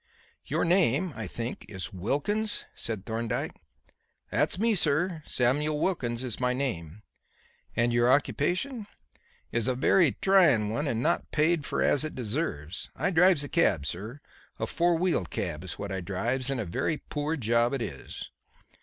"Your name, I think, is Wilkins?" said Thorndyke. "That's me, sir. Samuel Wilkins is my name." "And your occupation?" "Is a very tryin' one and not paid for as it deserves. I drives a cab, sir; a four wheeled cab is what I drives; and a very poor job it is."